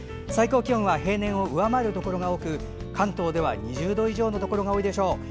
最高気温は平年を上回るところが多く関東では２０度以上のところが多いでしょう。